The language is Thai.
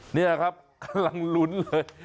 เนี่ยแหละครับเรากำลังลุ้นเลย